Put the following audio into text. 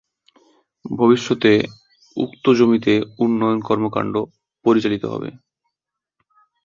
ভবিষ্যতে উক্ত জমিতে উন্নয়ন কর্মকাণ্ড পরিচালিত হবে।